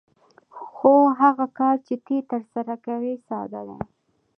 خو هغه کار چې ته یې ترسره کوې ساده دی